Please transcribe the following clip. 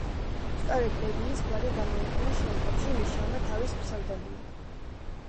სწორედ ბებიის გვარი გამოიყენა შემდგომში მიშელმა თავის ფსევდონიმად.